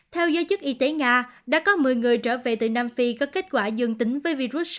theo giới chức y tế nga đã có một mươi người trở về từ nam phi có kết quả dương tính với virus sars cov hai